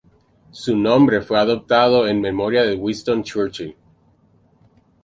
Su nombre fue adoptado en memoria a Winston Churchill.